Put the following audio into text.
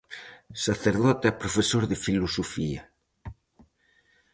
Sacerdote e profesor de Filosofía.